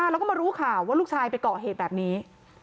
แล้วก็มารู้ข่าวว่าลูกชายไปเกาะเหตุแบบนี้